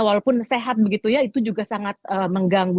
walaupun sehat begitu ya itu juga sangat mengganggu